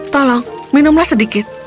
tolong minumlah sedikit